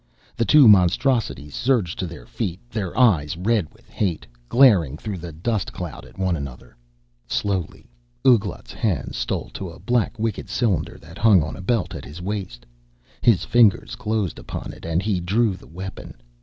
The two monstrosities surged to their feet, their eyes red with hate, glaring through the dust cloud at one another. Slowly Ouglat's hand stole to a black, wicked cylinder that hung on a belt at his waist. His fingers closed upon it and he drew the weapon.